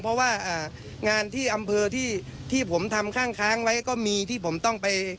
เพราะว่างานที่อำเภอที่ผมทำข้างค้างไว้ก็มีที่ผมต้องไป